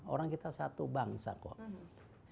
orang kita satu bangsa kok